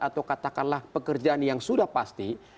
atau katakanlah pekerjaan yang sudah pasti